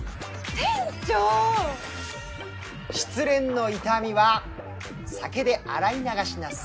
失恋の痛みは酒で洗い流しなさい